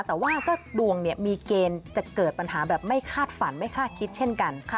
แต่ว่าก็ดวงมีเกณฑ์จะเกิดปัญหาแบบไม่คาดฝันไม่คาดคิดเช่นกัน